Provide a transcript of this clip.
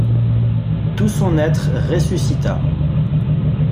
Tout son être ressuscita.